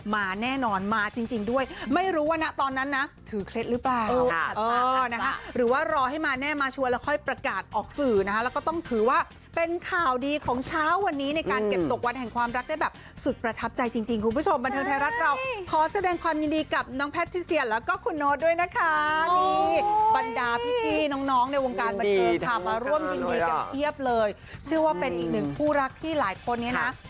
มาแน่นอนมาจริงด้วยไม่รู้ว่านะตอนนั้นนะถือเคล็ดหรือเปล่าค่ะหรือว่ารอให้มาแน่มาชัวร์แล้วค่อยประกาศออกสื่อแล้วก็ต้องถือว่าเป็นข่าวดีของเช้าวันนี้ในการเก็บตกวันแห่งความรักได้แบบสุดประทับใจจริงคุณผู้ชมบันเทิงไทยรัฐเราขอแสดงความยินดีกับน้องแพทย์ที่เสียแล้วก็คุณ